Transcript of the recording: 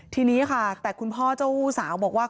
ทีนี้ค่ะแต่คุณพ่อเจ้าสาวบอกว่า